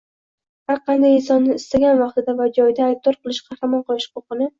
har qanday insonni istagan vaqtida va joyida aybdor yoki qahramon qilish huquqini